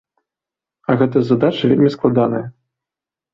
А гэта задача вельмі складаная!